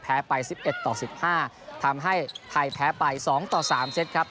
แพ้ไปสิบเอ็ดต่อสิบห้าทำให้ไทยแพ้ไปสองต่อสามเซ็ตครับ